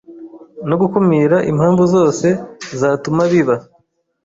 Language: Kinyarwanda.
no gukumira impamvu zose zatuma biba